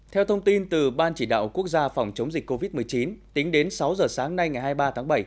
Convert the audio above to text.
theo thông tin từ ban chỉ đạo quốc gia phòng chống dịch covid một mươi chín tính đến sáu giờ sáng nay ngày hai mươi ba tháng bảy